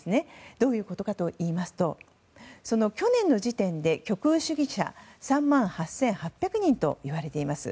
どういうことかといいますと去年の時点で極右主義者３万８８００人といわれています。